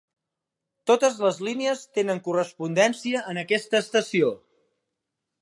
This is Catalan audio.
Totes les línies tenen correspondència en aquesta estació.